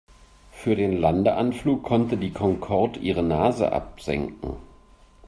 Für den Landeanflug konnte die Concorde ihre Nase absenken.